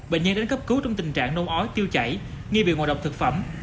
bệnh nhân đến cấp cứu trong tình trạng nôn ói tiêu chảy nghi bị ngộ độc thực phẩm